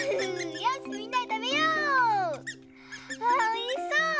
おいしそう！